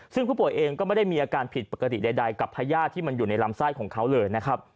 ซึ่งผู้ป่วยเองก็ไม่ได้มีอาการผิดปกติใดกับพญาติที่มันอยู่ในลำไส้ของเขาเลยนะครับ